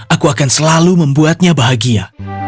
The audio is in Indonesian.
aku akan selalu membuatnya bahagia